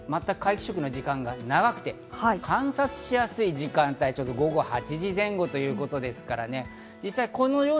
日本各地で見られ、そして皆既食の時間が長くて、観察しやすい時間帯、午後８時前後ということですからね。